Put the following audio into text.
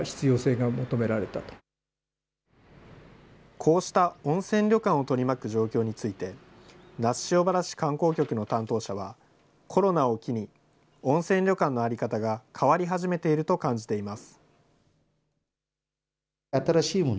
こうした温泉旅館を取り巻く状況について、那須塩原市観光局の担当者は、コロナを機に、温泉旅館の在り方が変わり始めていると感じています。